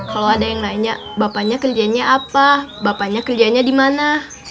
kalau ada yang nanya bapaknya kerjanya apa bapaknya kerjanya di mana